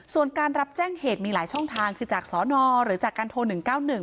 ส่วนการรับแจ้งเหตุมีหลายช่องทางคือจากสนหรือจากการโทร๑๙๑